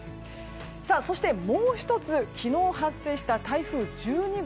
そしてもう１つ、昨日発生した台風１２号。